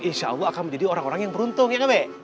insya allah akan menjadi orang orang yang beruntung ya ame